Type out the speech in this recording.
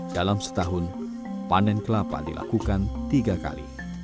dalam setahun panen kelapa dilakukan tiga kali